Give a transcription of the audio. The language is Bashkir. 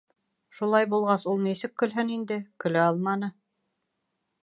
Шулай булғас, ул нисек көлһөн инде, көлә алманы.